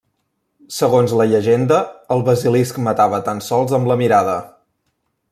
Segons la llegenda, el basilisc matava tan sols amb la mirada.